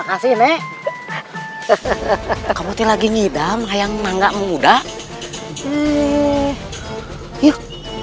kasih nek hehehe kamu lagi ngidam ayam mangga muda eh yuk